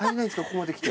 ここまで来て。